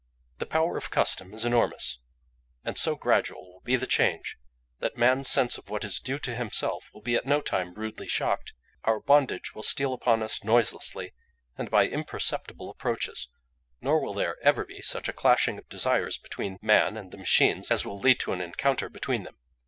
"The power of custom is enormous, and so gradual will be the change, that man's sense of what is due to himself will be at no time rudely shocked; our bondage will steal upon us noiselessly and by imperceptible approaches; nor will there ever be such a clashing of desires between man and the machines as will lead to an encounter between them.